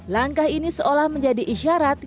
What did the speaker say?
langkah ini seolah menjadi isyarat